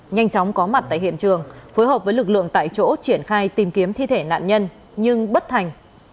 nhanh chóng có mặt tại hiện trường phối hợp với lực lượng tại chỗ triển khai tìm kiếm thi thể nạn nhân nhưng bất thành